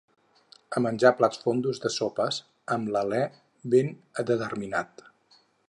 A menjar plats fondos de sopes, am l'alè ben determinat